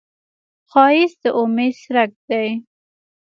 ښایست د امید څرک دی